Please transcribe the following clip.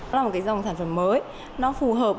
nó là một cái dòng sản phẩm mới